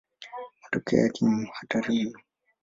Matokeo yake ni hatari mno.